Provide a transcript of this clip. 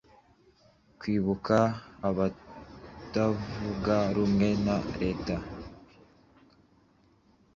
Kwibuka abatavuga rumwe na leta